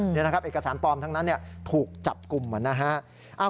นี่นะครับเอกสารปลอมทั้งนั้นถูกจับกลุ่มนะฮะ